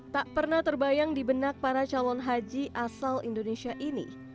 tak pernah terbayang di benak para calon haji asal indonesia ini